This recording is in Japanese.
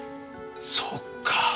そっか。